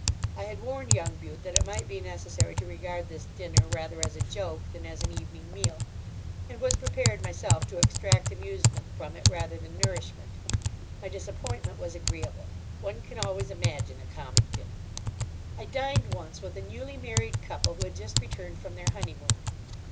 I had warned young Bute that it might be necessary to regard this dinner rather as a joke than as an evening meal, and was prepared myself to extract amusement from it rather than nourishment. My disappointment was agreeable. One can always imagine a comic dinner. I dined once with a newly married couple who had just returned from their honeymoon.